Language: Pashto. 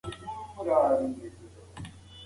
د کلتور تحلیل له بیلابیلو خلګو څخه تعصب کمرنګوي.